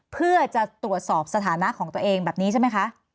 เพื่อจะตรวจสอบสถานะของตัวเองแบบนี้ใช่ไหมคะ